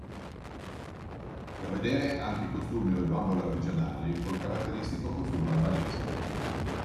Da vedere anche i costumi o le bambole artigianali col caratteristico costume albanese.